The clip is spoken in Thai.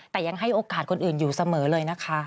แต่ยังให้โอกาสคนอื่นอยู่เสมอเลยนะคะ